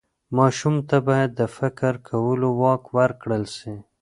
ماشوم ته باید د فکر کولو واک ورکړل سي.